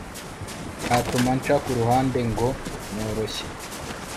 yatuma nca ku ruhande ngo noroshye